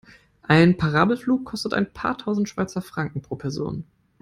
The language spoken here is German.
Ein Parabelflug kostet ein paar tausend Schweizer Franken pro Person.